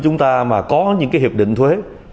chúng ta mà có những cái hiệp định thuế